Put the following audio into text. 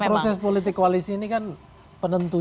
proses politik koalisi ini kan penentu